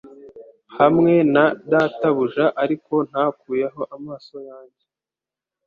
hamwe na databuja ariko ntakuyeho amaso yanjye